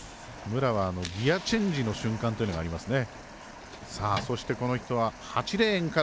武良はギアチェンジの瞬間っていうのがありますね。